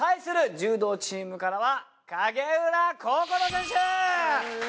柔道チームからは影浦心選手！